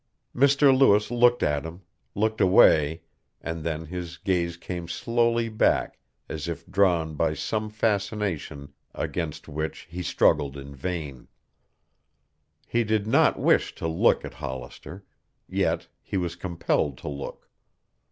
Mr. Lewis looked at him, looked away, and then his gaze came slowly back as if drawn by some fascination against which he struggled in vain. He did not wish to look at Hollister. Yet he was compelled to look.